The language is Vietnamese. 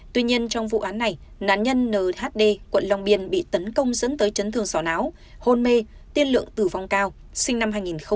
tuy nhiên trong vụ án này nán nhân nhd quận long biên bị tấn công dẫn tới trấn thương sỏ não hôn mê tiên lượng tử vong cao sinh năm hai nghìn một mươi